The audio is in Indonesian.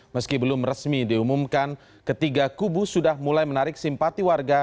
meski belum resmi diumumkan ketiga kubu sudah mulai menarik simpati warga